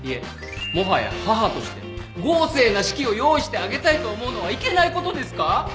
もはや母として豪勢な式を用意してあげたいと思うのはいけないことですか！？